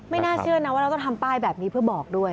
น่าเชื่อนะว่าเราต้องทำป้ายแบบนี้เพื่อบอกด้วย